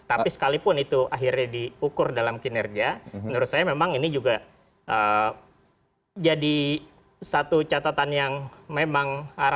tapi sekalipun itu akhirnya diukur dalam kinerja menurut saya memang ini juga jadi satu catatan yang memang